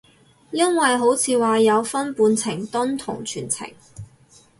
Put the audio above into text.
因為好似話有分半程蹲同全程